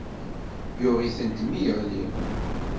Yuɣ-itent mi yeɣli.